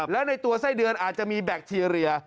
แล้วในตัวไส้เดือนอาจจะมีแบคทีเรีย